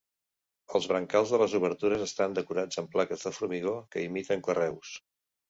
Els brancals de les obertures estan decorats amb plaques de formigó que imiten carreus.